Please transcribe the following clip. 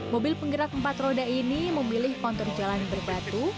mobil penggerak empat roda ini memilih kontur jalan berbatu